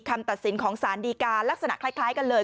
คำตัดสินของสารดีการลักษณะคล้ายกันเลย